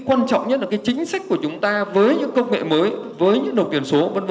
quan trọng nhất là chính sách của chúng ta với những công nghệ mới với những đồng tiền số v v